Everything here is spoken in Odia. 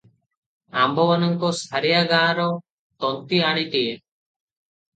ଆମ୍ଭମାନଙ୍କ ସାରିଆ ଗାଁର ତନ୍ତୀଆଣିଟିଏ ।